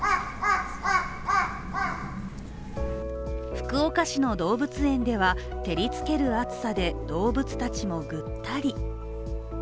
福岡市の動物園では、照りつける暑さで動物たちもぐったり。